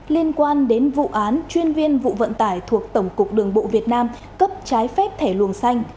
liên quan đến vụ án chuyên viên vụ vận tải thuộc tổng cục đường bộ việt nam cấp trái phép thẻ luồng xanh